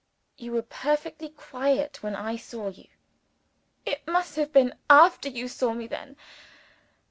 "You were perfectly quiet when I saw you." "It must have been after you saw me, then.